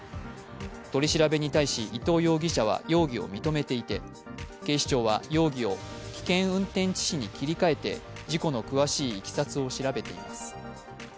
取り調べに対し伊東容疑者は容疑を認めていて警視庁は容疑を危険運転致死に切り替えて事故の詳しいいきさつを調べています。